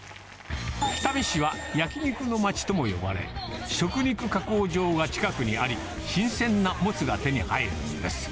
北見市は焼き肉の街とも呼ばれ、食肉加工場が近くにあり、新鮮なモツが手に入るんです。